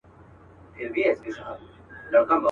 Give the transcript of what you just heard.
هسي نوم د مرګي بد دی خبر نه دي عالمونه.